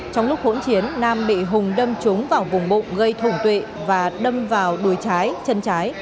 trong lúc hỗn chiến nam bị hùng đâm trúng vào vùng bụng gây thủng tuệ và đâm vào đuôi trái chân trái